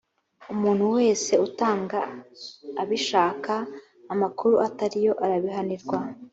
umuntu wese utanga abishaka amakuru atariyo, arabihanirwa